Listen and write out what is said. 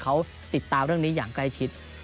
เขาติดตามเรื่องนี้อย่างใกล้ชิด